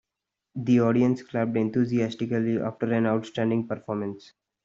The audience clapped enthusiastically after an outstanding performance.